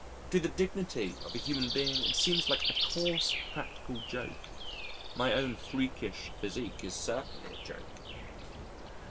To the dignity of a human being it seems like a coarse practical joke.... My own freakish physique is certainly a joke.